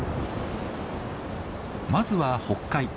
まずは「北海」。